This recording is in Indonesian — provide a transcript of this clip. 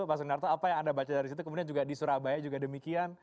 pak sunarto apa yang anda baca dari situ kemudian juga di surabaya juga demikian